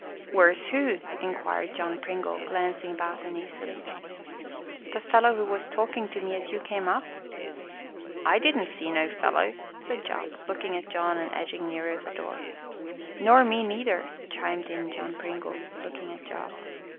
"Where's who?" inquired John Pringle, glancing about uneasily. "The fellow who was talking to me as you came up?" "I didn't see no fellow!" said Job, looking at John and edging nearer the door. "Nor me neither!" chimed in John Pringle, looking at Job.